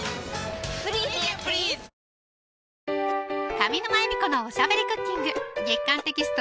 上沼恵美子のおしゃべりクッキング月刊テキスト